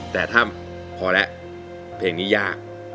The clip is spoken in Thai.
แต่ถ้าพอแล้วเพลงนี้ยาก